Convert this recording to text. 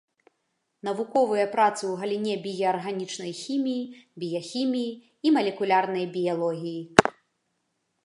Навуковыя працы ў галіне біяарганічнай хіміі, біяхіміі і малекулярнай біялогіі.